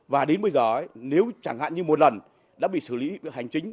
và đến bây giờ nếu chẳng hạn như một lần đã bị xử lý hành chính